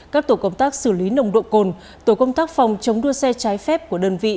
các tổ công tác xử lý nồng độ cồn tổ công tác phòng chống đua xe trái phép của đơn vị